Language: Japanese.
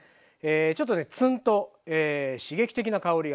ちょっとねツンと刺激的な香りがします。